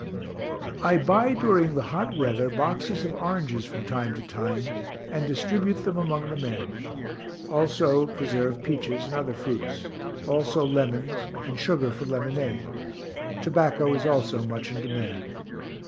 I buy, during the hot weather, boxes of oranges from time to time, and distribute them among the men; also preserved peaches and other fruits; also lemons and sugar for lemonade. Tobacco is also much in demand.